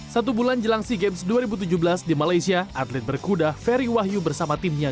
satu bulan jelang sea games dua ribu tujuh belas di malaysia atlet berkuda ferry wahyu bersama timnya